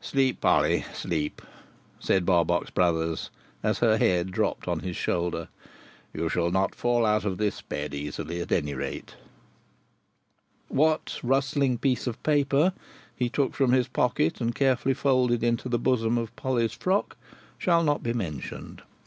"Sleep, Polly, sleep," said Barbox Brothers, as her head dropped on his shoulder; "you shall not fall out of this bed, easily, at any rate!" What rustling piece of paper he took from his pocket, and carefully folded into the bosom of Polly's frock, shall not be mentioned.